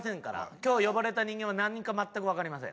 今日呼ばれた人間は何か全くわかりません。